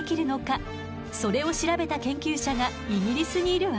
それを調べた研究者がイギリスにいるわ。